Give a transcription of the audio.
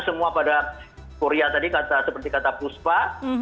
semua pada korea tadi seperti kata puspa